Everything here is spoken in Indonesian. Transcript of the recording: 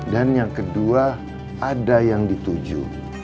dan yang kedua ada yang dituju